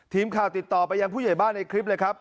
ทีมข่าวติดต่อไปยังผู้ใหญ่บ้านในคลิปเลยครับ